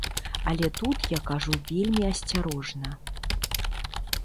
Але тут я кажу вельмі асцярожна.